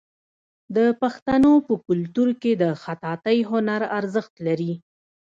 د پښتنو په کلتور کې د خطاطۍ هنر ارزښت لري.